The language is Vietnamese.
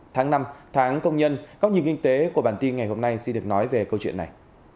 tháng năm tháng công nhân góc nhìn kinh tế của bản tin ngày hôm nay xin được nói về câu chuyện này